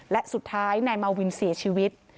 และสุดท้ายนายมาวินเสียชีวิต